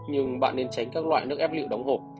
nhưng bạn nên tránh các loại nước ép liệu đóng hộp